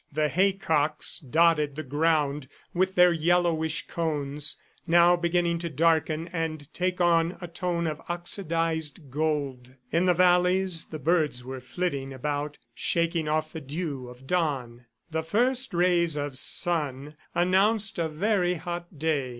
The haycocks dotted the ground with their yellowish cones, now beginning to darken and take on a tone of oxidized gold. In the valleys the birds were flitting about, shaking off the dew of dawn. The first rays of the sun announced a very hot day.